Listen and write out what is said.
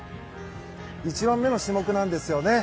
一番目の種目なんですよね。